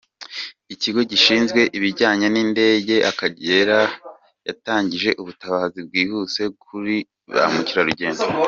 Ikigo gishinzwe ibijyanye ni indege Akagera yatangije ubutabazi bwihuse kuri ba mukerarugendo